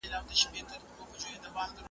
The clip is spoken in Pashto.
کېدای سي تجربې ناکامه وي.